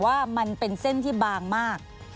ว่ามันเป็นเส้นที่บางมาก